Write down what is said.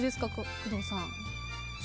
工藤さん。